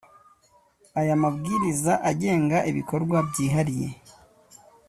Aya mabwiriza agenga ibikorwa byihariye